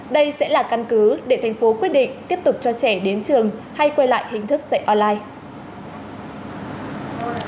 đây sẽ là căn cứ để thành phố quyết định tiếp tục cho trẻ đến trường hay quay lại hình thức dạy online